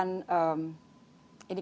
ini kita belum tahu